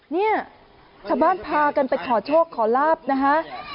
เนี่ยชาวบ้านพากันไปขอโชคขอลาบนะคะ